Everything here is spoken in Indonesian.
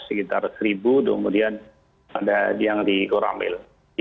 sekitar satu kemudian ada yang di goramil